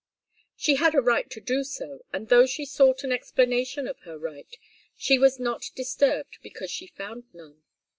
She had a right to do so, and though she sought an explanation of her right, she was not disturbed because she found none.